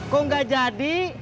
kok nggak jadi